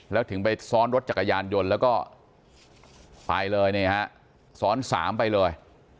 แล้วถึงไปซ้อนรถจักรยานยนต์แล้วก็ไปเลยนี่ฮะซ้อนสามไปเลย